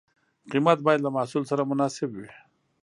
قیمت باید له محصول سره مناسب وي.